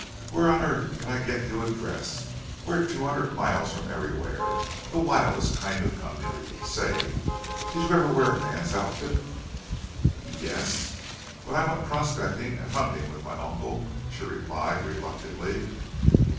"Where on earth can I get you a dress? We're two hundred miles from everywhere. The wildest kind of country.... Say, did you ever wear a man's outfit?" "Ye es, when I went prospecting and hunting with my uncle," she replied, reluctantly.